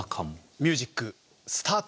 ミュージックスタート！